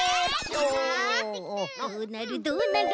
どうなるどうなる？